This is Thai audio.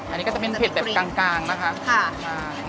อันนี้ก็จะเป็นเผ็ดแบบกลางนะคะ